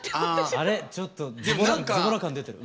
あれちょっとずぼら感出てる。